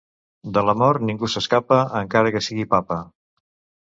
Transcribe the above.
De la mort ningú s'escapa, encara que sigui Papa.